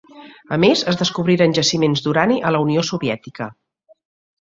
A més, es descobriren jaciments d'urani a la Unió Soviètica.